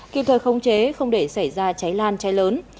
kịp thời khống chế không để xảy ra cháy lan cháy lớn